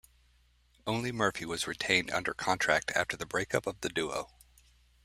Only Murphy was retained under contract after the breakup of the duo.